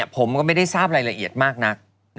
ผมก็ไม่ได้ทราบรายละเอียดมากนัก